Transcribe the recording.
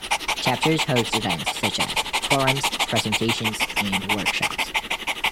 Chapters host events such as forums, presentations, and workshops.